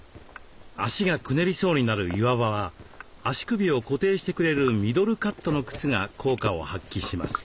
足がくねりそうになる岩場は足首を固定してくれるミドルカットの靴が効果を発揮します。